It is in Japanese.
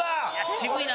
渋いな。